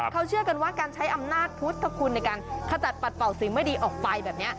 เขาเชื่อกันว่าการใช้อำนาจพุทธคุณในการขจัดปัดเป่าสิ่งไม่ดีออกไปแบบนี้